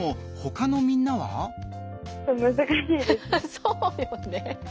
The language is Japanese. そうよね。